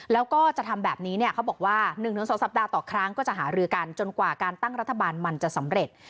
แล้วก็จะทำแบบนี้เนี่ยเขาบอกว่า๑๒สัปดาห์ต่อครั้งก็จะหารือกันจนกว่าการตั้งรัฐบาลมันจะสำเร็จ